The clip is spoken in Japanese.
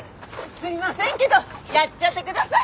すいませんけどやっちゃってください。